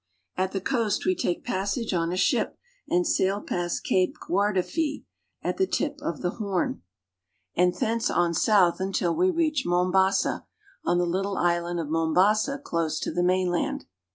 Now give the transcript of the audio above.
At the coast we take passage on a ship and sail past iape Guardafui (gwar da fwe'j at the tip of the Horn, and 132 AFRICA thence on south until we reach Mombasa (mfim ba'sa) o the little island of Mombasa close to the mainland.